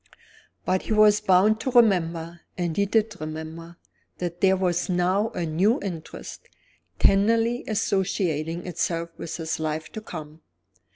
But he was bound to remember and he did remember that there was now a new interest, tenderly associating itself with his life to come.